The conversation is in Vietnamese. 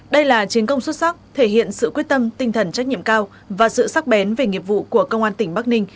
đây là chiến công xuất sắc thể hiện sự quyết tâm tinh thần trách nhiệm cao và sự sắc bén về nghiệp vụ của công an tỉnh bắc ninh